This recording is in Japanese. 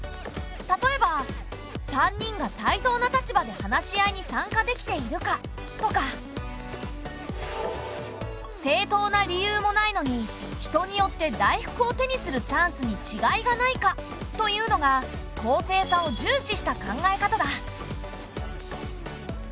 例えば「３人が対等な立場で話し合いに参加できているか」とか「正当な理由もないのに人によって大福を手にするチャンスにちがいがないか」というのが公正さを重視した考え方だ。